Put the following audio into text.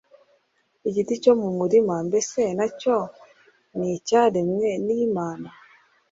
Igiti cyo mu murima mbese na cyo nicyaremwe n’Imana